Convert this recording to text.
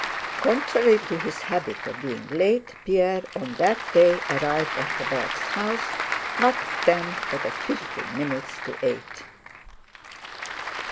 Contrary to his habit of being late, Pierre on that day arrived at the Bergs' house, not at ten but at fifteen minutes to eight.